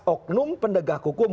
oknum pendegah hukum